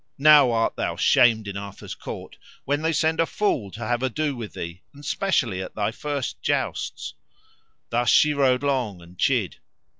now art thou shamed in Arthur's court, when they send a fool to have ado with thee, and specially at thy first jousts; thus she rode long, and chid.